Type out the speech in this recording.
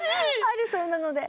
あるそうなので。